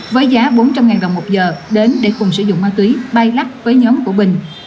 với giá bốn trăm linh đồng một giờ đến để cùng sử dụng ma túy bay lắc với nhóm của bình